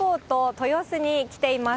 豊洲に来ています。